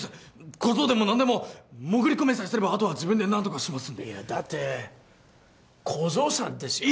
小僧でも何でも潜り込めさえすればあとは自分で何とかしますんでいやだって小僧さんですよ？